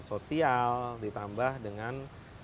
sosial ditambah dengan